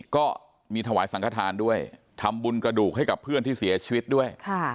ก็มีถวายสังขทานด้วยทำบุญกระดูกให้กับเพื่อนที่เสียชีวิตด้วย